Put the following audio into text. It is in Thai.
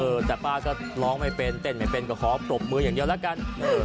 เออแต่ป่าจะร้องไม่เป็นเต็นไม่เป็นก็ขอตบมือใหญ่อย่างเดียวละกัน